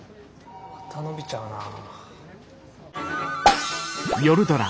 また伸びちゃうなあ。